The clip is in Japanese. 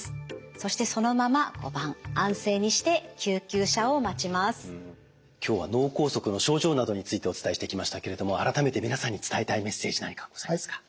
そしてそのまま今日は脳梗塞の症状などについてお伝えしてきましたけれども改めて皆さんに伝えたいメッセージ何かございますか？